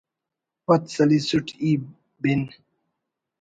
پَد سَلِیسُٹ ای بِن